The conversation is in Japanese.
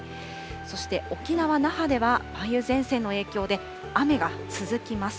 そして、沖縄・那覇では梅雨前線の影響で、雨が続きます。